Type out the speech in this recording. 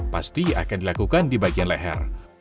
pasti akan dilakukan di bagian leher